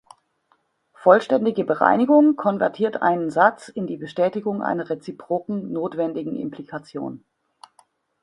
Vollständige Bereinigung konvertiert einen Satz in die Bestätigung einer reziproken notwendigen Implikation.